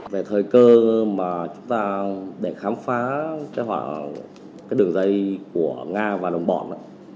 về thời cơ mà chúng ta để khám phá cái đường dây của nga và đồng bọn